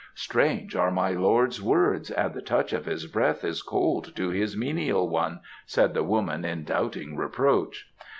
"Strange are my lord's words, and the touch of his breath is cold to his menial one," said the woman in doubting reproach.